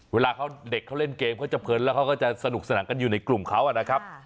เวลาเขาเด็กเขาเล่นเกมเขาจะเพลินแล้วเขาก็จะสนุกสนานกันอยู่ในกลุ่มเขานะครับ